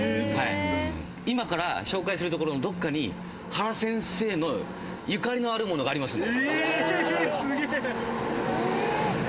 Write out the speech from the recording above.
今から紹介するところのどこかに原先生のゆかりのあるものがありますので。